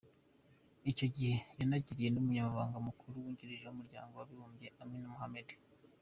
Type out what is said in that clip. Icyo gihe yanaganiriye n’Umunyamabanga Mukuru Wungirije w’Umuryango w’Abibumbye, Amina Mohammed.